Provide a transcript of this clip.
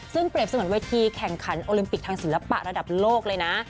ซึ่งเปรียบเสมือนเวทีแข่งขันโอลิมปิกทางศิลปะระดับโลกเลยนะ